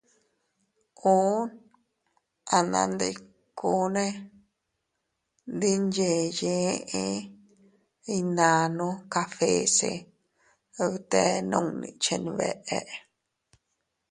Ùu anandikuune ndi nyeyee eʼe iynannu cafèse se bte nunni chenbeʼe.